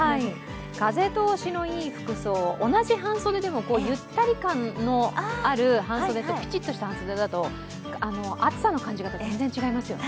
風通しのいい服装、同じ半袖でもゆったり感のある半袖とぴちっとした半袖だと暑さの感じ方全然、違いますよね。